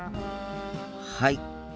はい。